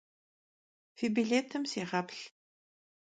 Fi bilêtım sêğeplh.